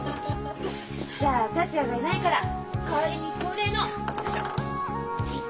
じゃあ達也がいないから代わりに恒例のはい。